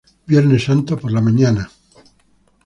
Viernes Santo por la mañana: Ntro.